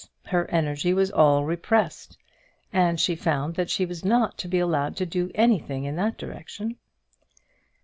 her energy was all repressed, and she found that she was not to be allowed to do anything in that direction.